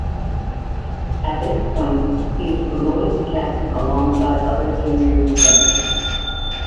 At this point, he was promoted to Captain alongside other junior lieutenants.